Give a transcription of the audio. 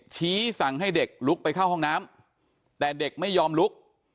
ชี้สั่งให้เด็กลุกไปเข้าห้องน้ำแต่เด็กไม่ยอมลุก